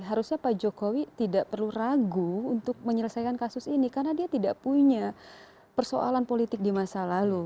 harusnya pak jokowi tidak perlu ragu untuk menyelesaikan kasus ini karena dia tidak punya persoalan politik di masa lalu